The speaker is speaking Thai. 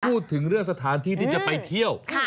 พูดถึงเรื่องสถานที่ที่จะไปเที่ยว